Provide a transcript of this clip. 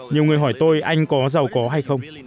nhiều người hỏi tôi anh có giàu có hay không